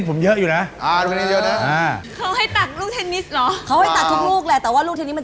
หมายเลข๗ตระก้าสารก้นรั่ว